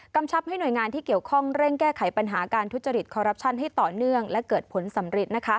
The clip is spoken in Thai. ชับให้หน่วยงานที่เกี่ยวข้องเร่งแก้ไขปัญหาการทุจริตคอรัปชั่นให้ต่อเนื่องและเกิดผลสำเร็จ